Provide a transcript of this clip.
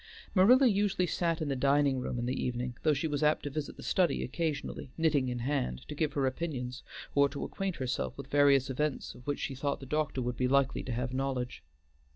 Marilla usually sat in the dining room in the evening, though she was apt to visit the study occasionally, knitting in hand, to give her opinions, or to acquaint herself with various events of which she thought the doctor would be likely to have knowledge.